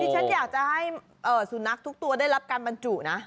ฉันอยากจะให้สุนัขทุกตัวได้รับการบรรจุนะ